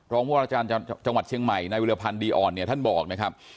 รองบุราชาญจังหวัดเชียงใหม่ในวิทยาลัยภัณฑ์ดีอ่อนเนี้ยท่านบอกนะครับ